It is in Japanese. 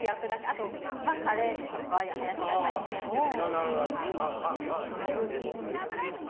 あとはカレーとかハヤシライスは一緒に作ったりします。